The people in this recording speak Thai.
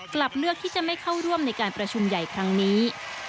กลับเลือกที่จะไม่เข้าร่วมในการประชุมใหญ่ครั้งนี้